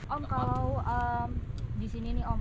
om kalau di sini nih om